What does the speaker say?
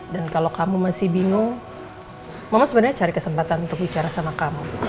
kalau kamu masih bingung mama sebenarnya cari kesempatan untuk bicara sama kamu